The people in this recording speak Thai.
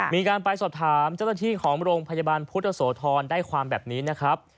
มีการไปสอบถามเจ้าหน้าที่ของโรงพยาบาลพุทธโสธรได้ความแบบนี้นะครับ